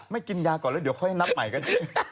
ไม่กินยาก่อนล่ะเดี๋ยวค่อยให้นับใหม่กัน